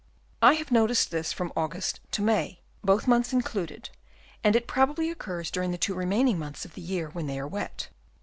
I have noticed this from August to May, both months included, and it probably occurs during the two remaining months of the year when they are wet.